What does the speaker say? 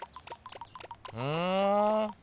ふん？